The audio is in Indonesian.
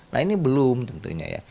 nah ini belum tentunya ya